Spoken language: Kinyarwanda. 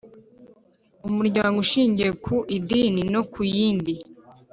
Umuryango Ushingiye ku Idini no ku yindi